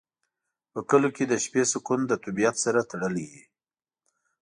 په کلیو کې د شپې سکون د طبیعت سره تړلی وي.